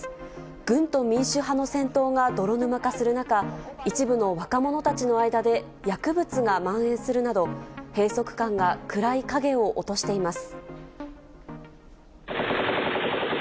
軍と民主派の戦闘が泥沼化する中、一部の若者たちの間で薬物がまん延するなど、閉塞感が暗い影を落としています。